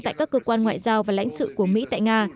tại các cơ quan ngoại giao và lãnh sự của mỹ tại nga